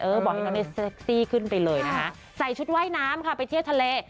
บอกให้น้องได้เซ็กซี่ขึ้นไปเลยนะคะใส่ชุดว่ายน้ำค่ะไปเที่ยวทะเล